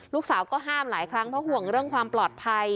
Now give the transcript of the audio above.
ลูกสาวก็ห้ามหลายครั้งเพราะห่วงเรื่องความปลอดภัย